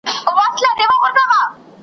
کرۍ ورځ پر باوړۍ ګرځي ګړندی دی .